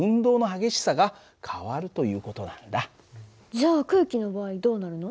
じゃあ空気の場合どうなるの？